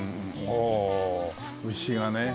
お牛がね。